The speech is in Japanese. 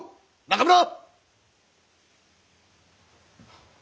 中村！